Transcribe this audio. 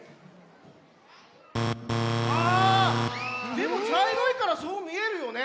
でもちゃいろいからそうみえるよね。